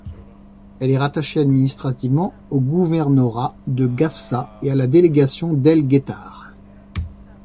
Elle est rattachée administrativement au gouvernorat de Gafsa et à la délégation d'El Guettar.